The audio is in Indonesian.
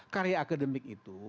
karya akademik itu